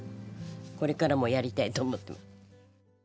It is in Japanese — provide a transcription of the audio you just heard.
これからもやりたいと思って。